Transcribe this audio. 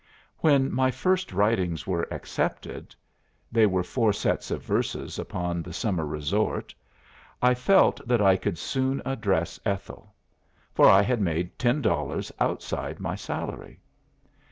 When my first writings were accepted (they were four sets of verses upon the Summer Resort) I felt that I could soon address Ethel; for I had made ten dollars outside my salary.